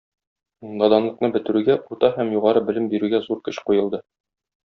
Наданлыкны бетерүгә, урта һәм югары белем бирүгә зур көч куелды.